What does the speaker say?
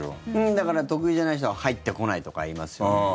だから得意じゃない人は入ってこないとか言いますよね。